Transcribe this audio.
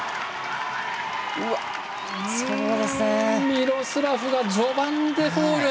ミロスラフが序盤でフォール。